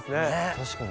確かに。